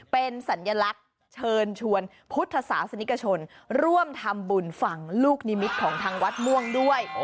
เป็นสัญลักษณ์เชิญชวนพุทธศาสนิกชนร่วมทำบุญฝั่งลูกนิมิตของทางวัดม่วงด้วย